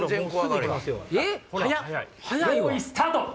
・よいスタート！